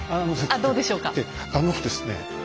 あのですね。